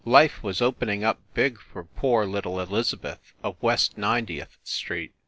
Life was opening up big for poor little Elizabeth of West Ninetieth Street.